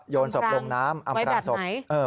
โยนศพลงน้ำอำการศพแบบไหน